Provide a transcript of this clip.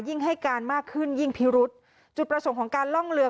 ให้การมากขึ้นยิ่งพิรุษจุดประสงค์ของการล่องเรือ